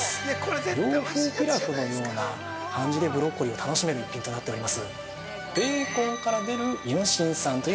洋風ピラフのような感じでブロッコリーを楽しめる一品となっております。